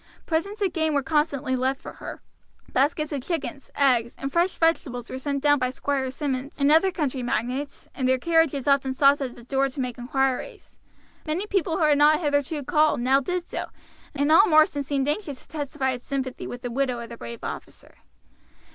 Presents of game were constantly left for her; baskets of chickens, eggs, and fresh vegetables were sent down by Squire Simmonds and other county magnates, and their carriages often stopped at the door to make inquiries. Many people who had not hitherto called now did so, and all Marsden seemed anxious to testify its sympathy with the widow of the brave officer.